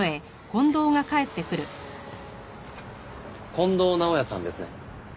近藤直也さんですね。